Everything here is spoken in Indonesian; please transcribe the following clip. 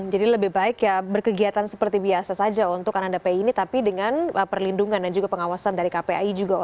jadi lebih baik ya berkegiatan seperti biasa saja untuk anak anak pi ini tapi dengan perlindungan dan juga pengawasan dan juga perlindungan